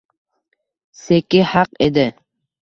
Seki haq edi